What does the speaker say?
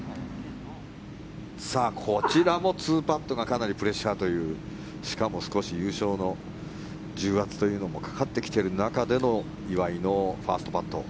こちらも２パットがかなりプレッシャーというしかも、少し優勝の重圧というのもかかってきている中での岩井のファーストパット。